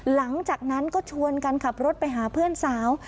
หลังจากนั้นก็ชวนกันขับรถไปหาเพื่อนสาว